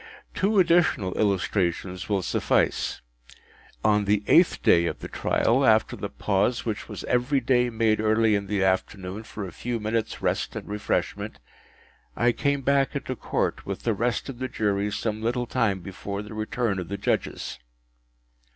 Two additional illustrations will suffice. On the eighth day of the trial, after the pause which was every day made early in the afternoon for a few minutes’ rest and refreshment, I came back into Court with the rest of the Jury some little time before the return of the Judges.